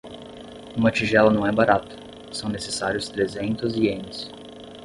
Uma tigela não é barata, são necessários trezentos ienes.